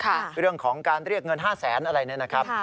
หรือเรื่องของการเรียกเงิน๕๐๐๐๐๐อะไรหน่อยนะครับ